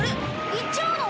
行っちゃうの？